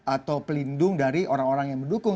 atau pelindung dari orang orang yang mendukung